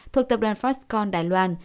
thuộc tập đoàn foxconn đài loan